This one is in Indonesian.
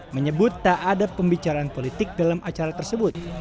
menyebut tak ada pembicaraan politik dalam acara tersebut